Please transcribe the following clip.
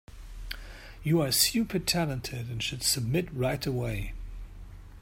You are super talented and should submit right away.